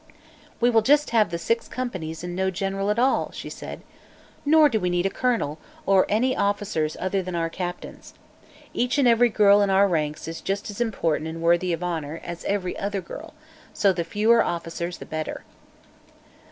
"We will just have the six companies and no general at all," she said. "Nor do we need a colonel, or any officers other than our captains. Each and every girl in our ranks is just as important and worthy of honor as every other girl, so the fewer officers the better."